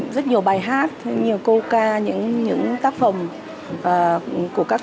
rất nhiều bài hát nhiều câu ca những những tác phẩm của các